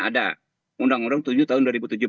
ada undang undang tujuh tahun